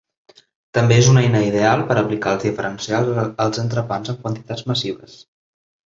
També és una eina ideal per aplicar els diferencials als entrepans en quantitats massives.